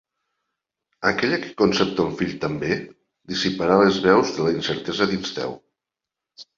Aquella que concep ton fill també, dissiparà les veus de la incertesa dins teu.